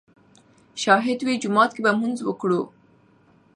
شاهد ووې جومات کښې به مونځ وکړو